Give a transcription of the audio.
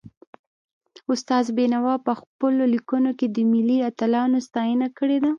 استاد بينوا په پخپلو ليکنو کي د ملي اتلانو ستاینه کړې ده.